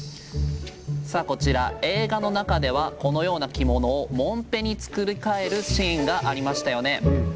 さあこちら映画の中ではこのような着物をもんぺに作り替えるシーンがありましたよね。